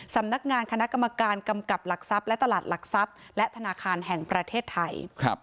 สำนักงานคณะกรรมการกำกับหลักทรัพย์และตลาดหลักทรัพย์และธนาคารแห่งประเทศไทย